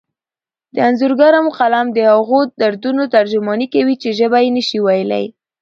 د انځورګر قلم د هغو دردونو ترجماني کوي چې ژبه یې نشي ویلی.